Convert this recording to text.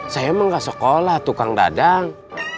saya emang gak sekolah tukang dadang